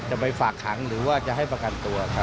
จะไปฝากขังหรือว่าจะให้ประกันตัวครับ